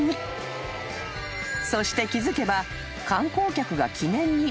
［そして気付けば］